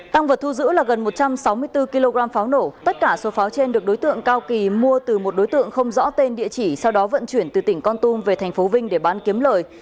tăng vật thu giữ là gần một trăm sáu mươi bốn kg pháo nổ tất cả số pháo trên được đối tượng cao kỳ mua từ một đối tượng không rõ tên địa chỉ sau đó vận chuyển từ tỉnh con tum về tp vinh để bán kiếm lời